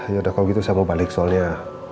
yaudah kalau gitu saya mau balik soalnya